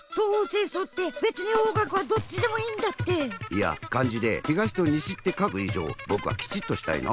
いやかんじで東と西って書くいじょうぼくはきちっとしたいな。